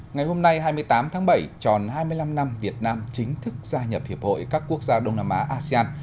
ngày hôm nay hai mươi tám tháng bảy tròn hai mươi năm năm việt nam chính thức gia nhập hiệp hội các quốc gia đông nam á asean